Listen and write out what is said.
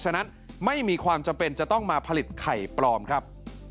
ฉะนั้นไม่มีความจำเป็นจะต้องมาผลิตไข่ปลอมครับ